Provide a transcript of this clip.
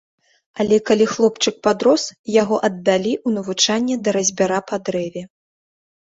Але, калі хлопчык падрос, яго аддалі ў навучанне да разьбяра па дрэве.